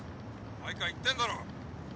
毎回言ってんだろ。